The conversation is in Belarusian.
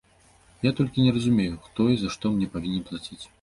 Я толькі не разумею, хто і за што мне павінен плаціць.